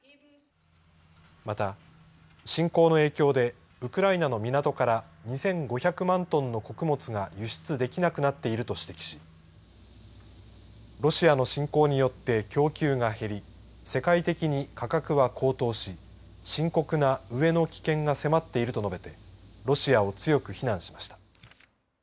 また、侵攻の影響でウクライナの港から２５００万トンの穀物が輸出できなくなっていると指摘しロシアの侵攻によって供給が減り世界的に価格は高騰し深刻な飢えの危険が迫っていると述べてロシアを強く非難しました。